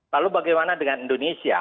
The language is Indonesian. lalu bagaimana dengan indonesia